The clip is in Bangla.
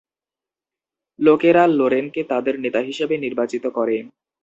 লোকেরা লোরেনকে তাদের নেতা হিসেবে নির্বাচিত করে।